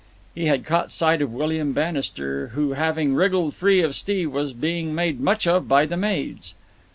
He had caught sight of William Bannister, who having wriggled free of Steve, was being made much of by the maids.